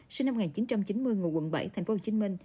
sinh năm một nghìn chín trăm chín mươi ngôi quận bảy tp hcm